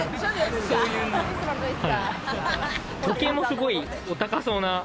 時計もすごいお高そうな。